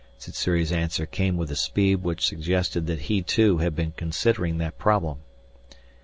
Sssuri's answer came with a speed which suggested that he, too, had been considering that problem.